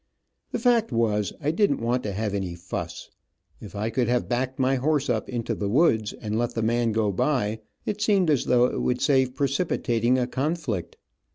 The fact was, I didn t want to have any fuss. If I could have backed my horse up into the woods, and let the man go by, it seemed as though it would save precipitating a conflict.